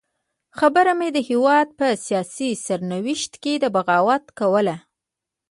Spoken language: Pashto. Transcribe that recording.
خبره مې د هېواد په سیاسي سرنوشت کې د بغاوت کوله.